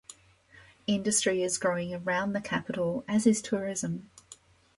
Industry is growing around the capital, as is tourism.